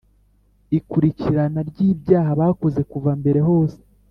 Ikurikirana ry ibyaha bakoze kuva mbere hose